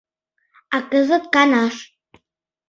А кызыт — канаш.